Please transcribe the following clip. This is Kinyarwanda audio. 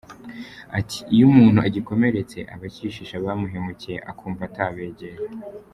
Ati «Iyo umuntu agikomeretse aba akishisha abamuhemukiye akumva atabegera.